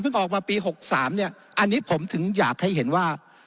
เพิ่งออกมาปีหกสามเนี้ยอันนี้ผมถึงอยากให้เห็นว่า